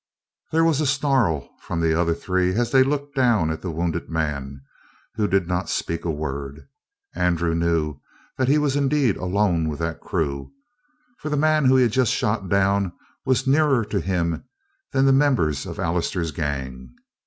There was a snarl from the other three as they looked down at the wounded man, who did not speak a word. And Andrew knew that he was indeed alone with that crew, for the man whom he had just shot down was nearer to him than the members of Allister's gang.